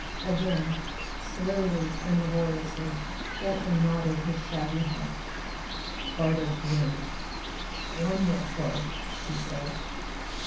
Again, slowly and laboriously, Bentley nodded his shaggy head. Barter grinned. "Wonderful!" he said.